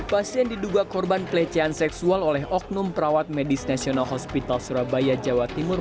pasien diduga korban pelecehan seksual oleh oknum perawat medis nasional hospital surabaya jawa timur